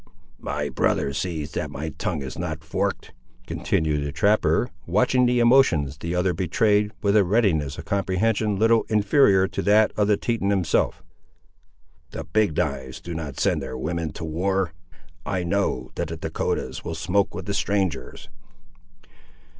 "My brother sees that my tongue is not forked," continued the trapper, watching the emotions the other betrayed, with a readiness of comprehension little inferior to that of the Teton himself. "The Big knives do not send their women to war. I know that the Dahcotahs will smoke with the strangers."